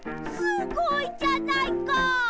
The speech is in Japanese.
すごいじゃないか！